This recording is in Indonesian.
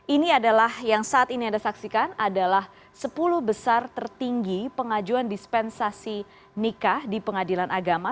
ini adalah yang saat ini anda saksikan adalah sepuluh besar tertinggi pengajuan dispensasi nikah di pengadilan agama